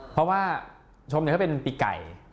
เพราะว่าชมเขาเป็นปีไก่